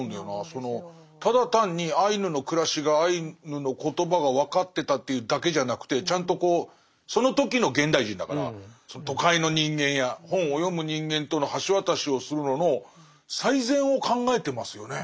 そのただ単にアイヌの暮らしがアイヌの言葉が分かってたというだけじゃなくてちゃんとこうその時の現代人だから都会の人間や本を読む人間との橋渡しをするのの最善を考えてますよね。